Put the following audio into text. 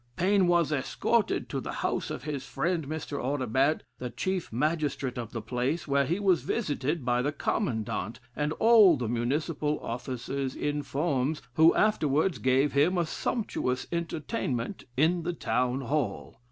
Paine was escorted to the house of his friend, Mr. Audibert, the Chief Magistrate of the place, where he was visited by the Commandant, and all the Municipal Officers in forms, who afterwards gave him a sumptuous entertainment in the Town Hall.